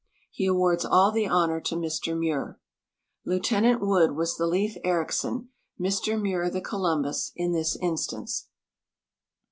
He awards all the honor to Mr INIuir. Lieutenant Wood was the Lief Ericsson, l\Ir Muir the Columbus, in this instance.